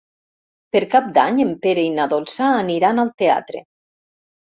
Per Cap d'Any en Pere i na Dolça aniran al teatre.